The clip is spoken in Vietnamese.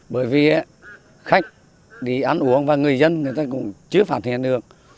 bởi vì khách đi ăn uống và người dân người ta cũng chưa phát hiện được